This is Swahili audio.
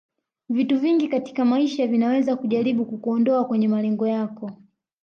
Vitu vingi katika maisha vinaweza kujaribu kukuondoa kwenye malengo yako